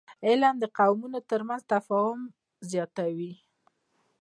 علم د قومونو ترمنځ تفاهم زیاتوي